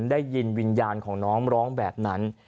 ได้ยินวิญญาณของน้องร้องแบบนั้น